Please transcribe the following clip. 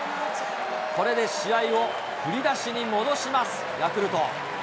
これで試合を振り出しに戻します、ヤクルト。